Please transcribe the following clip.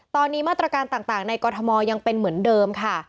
ตอนนี้มาตรการต่างในกรทมยังเป็นเหมือนเดิมค่ะ